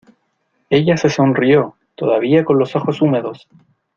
ella se sonrió, todavía con los ojos húmedos: